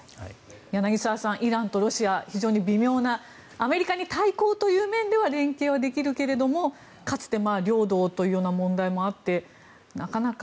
柳澤さん、イランとロシア非常に微妙なアメリカに対抗という面では連携はできるけどもかつて領土という問題もあってなかなか。